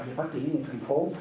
và phát triển những thành phố